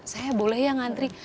saya boleh ya ngantri